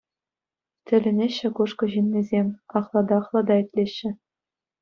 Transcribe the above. Тӗлӗнеҫҫӗ Кушкӑ ҫыннисем, ахлата-ахлата итлеҫҫӗ.